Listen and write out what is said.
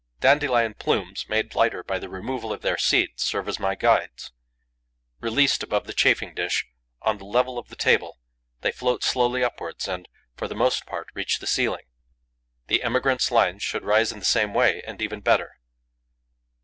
Dandelion plumes, made lighter by the removal of their seeds, serve as my guides. Released above the chafing dish, on the level of the table, they float slowly upwards and, for the most part, reach the ceiling. The emigrants' lines should rise in the same way and even better.